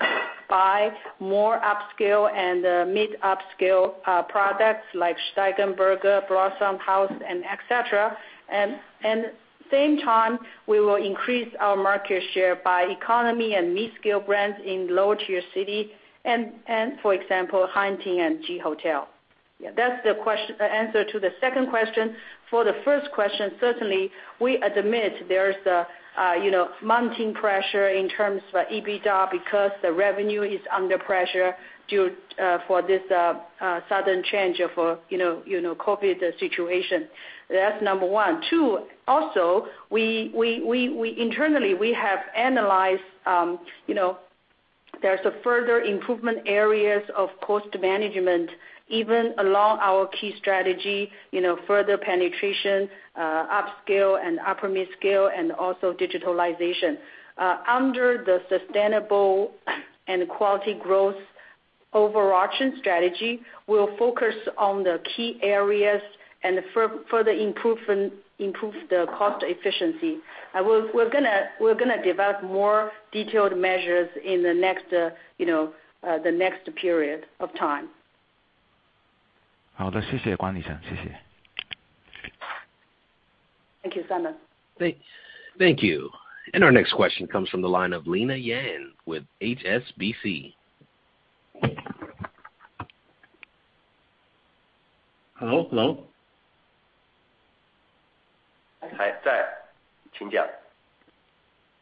by more upscale and mid-upscale products like Steigenberger, Blossom House and etc. At the same time, we will increase our market share by economy and mid-scale brands in lower-tier cities. For example, HanTing and JI Hotel. Yeah, that's the answer to the second question. For the first question, certainly, we admit there's a you know, mounting pressure in terms of EBITDA because the revenue is under pressure due to this sudden change of you know, COVID situation. That's number one. Too, also, we internally have analyzed, you know, there's a further improvement areas of cost management, even along our key strategy, you know, further penetration, upscale and upper mid-scale and also digitalization. Under the sustainable and quality growth overarching strategy, we'll focus on the key areas and further improve the cost efficiency. We're going to develop more detailed measures in the next, you know, the next period of time. Thank you, Simon. Thank you. Our next question comes from the line of Lina Yan with HSBC.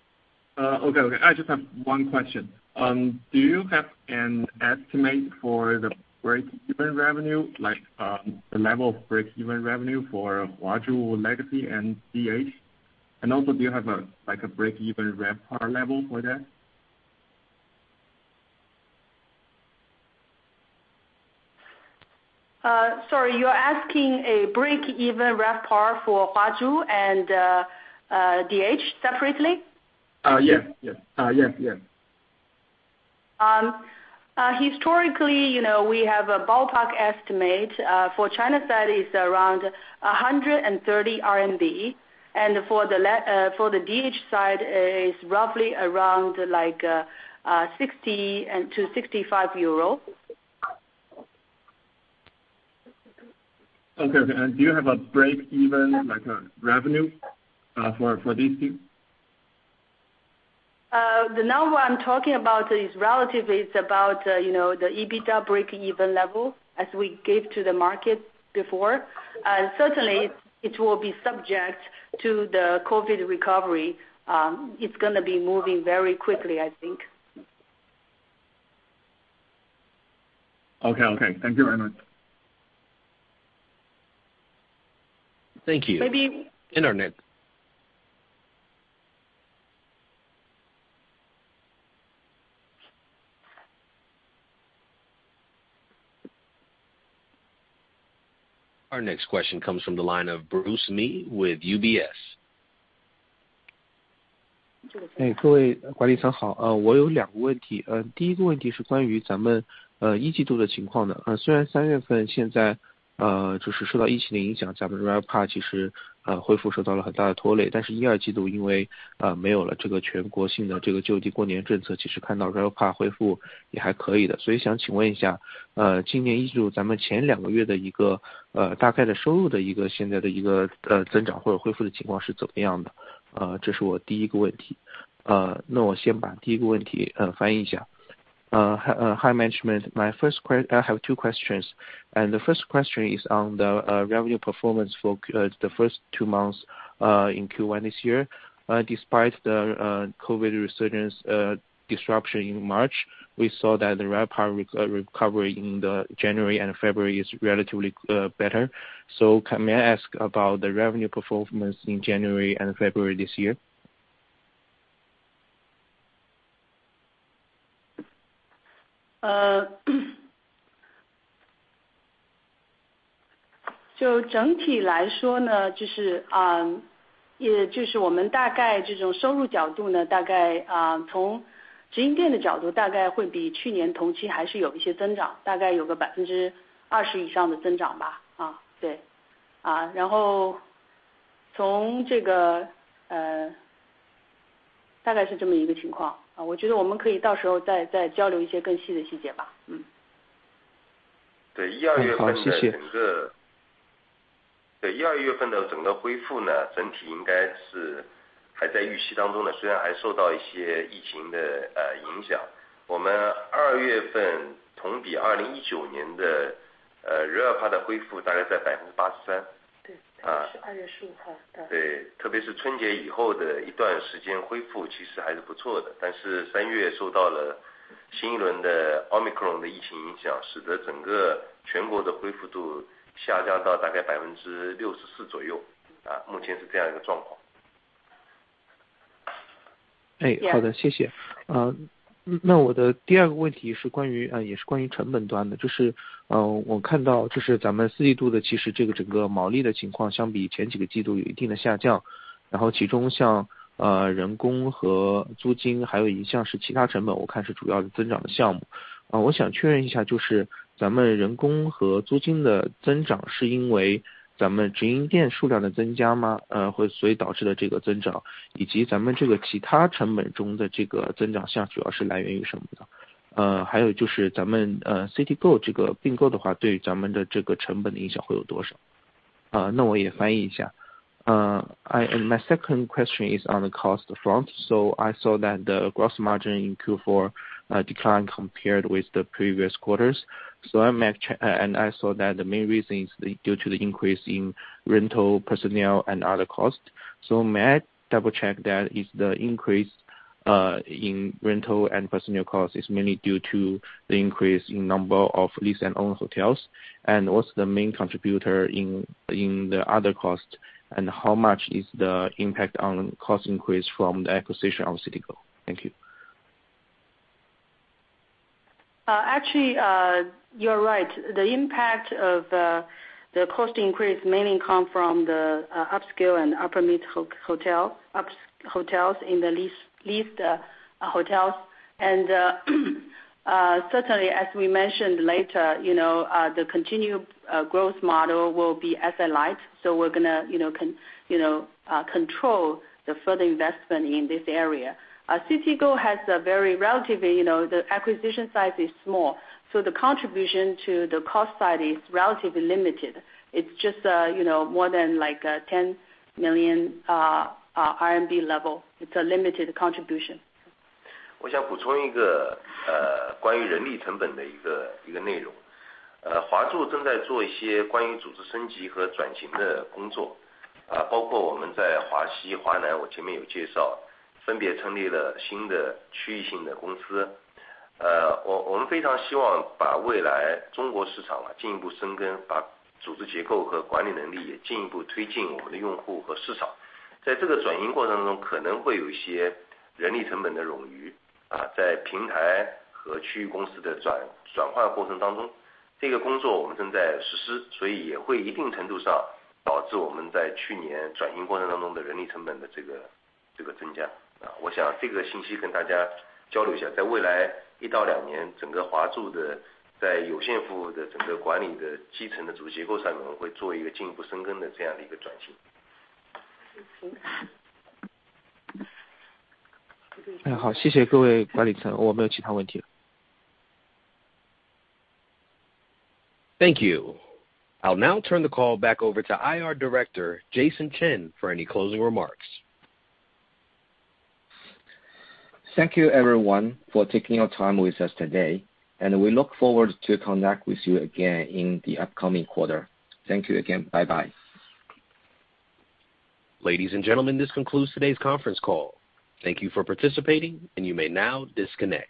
I just have one question. Do you have an estimate for the break even revenue, like, the level of break even revenue for Huazhu Legacy and DH? And also, do you have, like, a break even RevPAR level for that? Sorry, you're asking a break-even RevPAR for Huazhu and DH separately. Yes，yes，yes，yes。Historically you know we have a ballpark estimate for China is around 130 RMB, and for the DH side is roughly around like 60-65 euro. Okay, do you have a breakeven like a revenue for these two? The one I'm talking about is about, you know, the EBITDA break-even level as we gave to the market before. Certainly it will be subject to the COVID recovery. It's going to be moving very quickly, I think. Okay, okay, thank you very much. Thank you. Maybe。Internet。Our next question comes from the line of Bruce Lee with UBS. Hi management, I have two questions, and the first question is on the revenue performance for the first two months in Q1 this year. Despite the COVID resurgence disruption in March, we saw that the RevPAR recovery in January and February is relatively better. So can I ask about the revenue performance in January and February this year? My second question is on the cost front. I saw that the gross margin in Q4 declined compared with the previous quarters. I saw that the main reason is due to the increase in rental, personnel and other cost. May I double check that the increase in rental and personnel costs is mainly due to the increase in number of lease and own hotels? And what's the main contributor in the other cost? And how much is the impact on cost increase from the acquisition of CitiGO? Thank you. Actually, you're right. The impact of the cost increase mainly come from the upscale and upper midscale hotels, upscale hotels in the leased hotels. Certainly as we mentioned later, you know, the continued growth model will be asset light. We're going to, you know, control the further investment in this area. CitiGO has a relatively, you know, the acquisition size is small, so the contribution to the cost side is relatively limited. It's just, you know, more than like 10 million RMB level. It's a limited contribution. 行。好，谢谢各位管理层，我没有其他问题了。Thank you. I now turn the call back over to IR Director Jason Chen for any closing remarks. Thank you everyone for taking your time with us today. We look forward to connect with you again in the upcoming quarter. Thank you again. Bye bye. Ladies and gentlemen, this concludes today's conference call. Thank you for participating, and you may now disconnect.